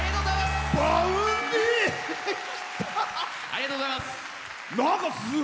ありがとうございます！